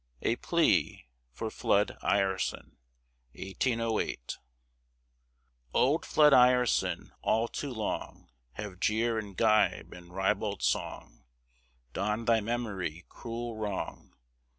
A PLEA FOR FLOOD IRESON Old Flood Ireson! all too long Have jeer and gibe and ribald song Done thy memory cruel wrong.